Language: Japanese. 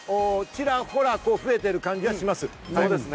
ちらほら増えてる感じがします。